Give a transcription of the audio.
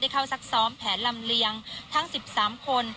เข้าซักซ้อมแผนลำเลียงทั้ง๑๓คน